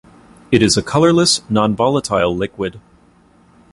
It is a colourless, nonvolatile liquid.